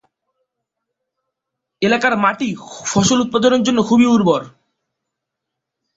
এখানকার মাটি ফসল উৎপাদনের জন্য খুবই উর্বর।